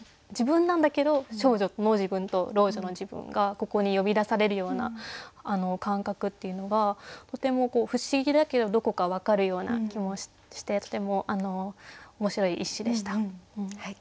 自分なんだけど少女の自分と老女の自分がここに呼び出されるような感覚っていうのがとても不思議だけどどこか分かるような気もしてとても面白い一首でした。